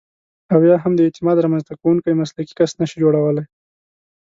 او یا هم د اعتماد رامنځته کوونکی مسلکي کس نشئ جوړولای.